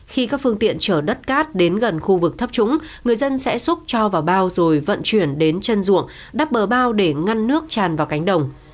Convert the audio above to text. khi các phương tiện chở đất cát đến gần khu vực thấp trũng người dân sẽ xúc cho vào bao rồi vận chuyển đến chân ruộng đắp bờ bao để ngăn nước tràn vào cánh đồng